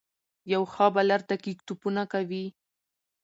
یو ښه بالر دقیق توپونه کوي.